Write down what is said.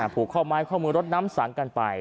ผูกข้อไม้ข้อมือรถน้ำสังกันไป